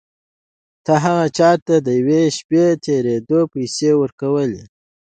تا هغه چا ته د یوې شپې تېرېدو پيسې ورکولې.